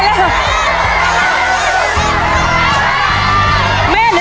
เหลือประมาณสองไม้